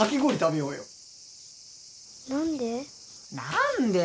何で？